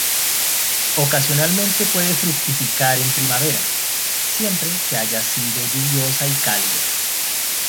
Ocasionalmente puede fructificar en primavera, siempre que haya sido lluviosa y cálida.